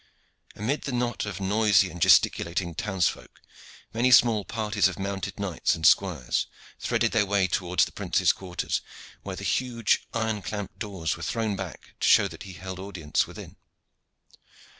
Amid the knot of noisy and gesticulating townsfolk, many small parties of mounted knights and squires threaded their way towards the prince's quarters, where the huge iron clamped doors were thrown back to show that he held audience within.